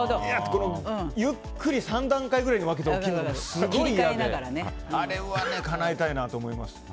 ゆっくり３段階くらいに分けて起きるのが、すごい嫌であれはかなえたいなと思います。